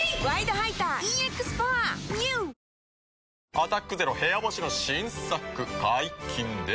「アタックＺＥＲＯ部屋干し」の新作解禁です。